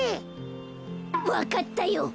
わかったよ。